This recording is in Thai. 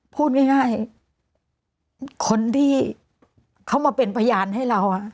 พูดง่ายคนที่เขามาเป็นพยานให้เรา